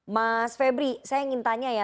mas febri saya ingin tanya ya